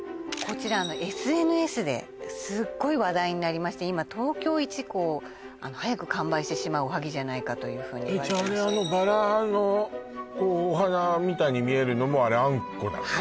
こちらＳＮＳですっごい話題になりまして今東京一早く完売してしまうおはぎじゃないかとじゃあのバラのお花みたいに見えるのもあれあんこなの？